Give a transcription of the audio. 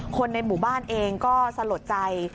คนในหมู่บ้านเองก็สลดใจ